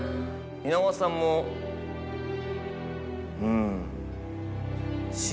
蜷川さんもうん。